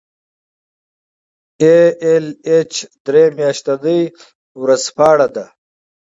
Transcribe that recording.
ای ایل ایچ درې میاشتنی ژورنال دی.